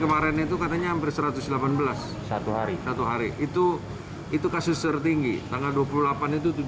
kemarin itu katanya hampir satu ratus delapan belas satu hari satu hari itu itu kasus tertinggi tanggal dua puluh delapan itu tujuh belas